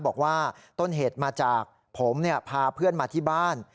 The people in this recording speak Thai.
บอกว่าต้นเหตุมาจากผมพาเพื่อนมาที่บ้าน